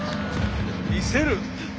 見せる！